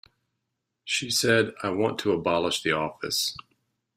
She said: I want to abolish the office.